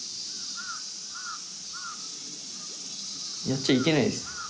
やっちゃいけないです。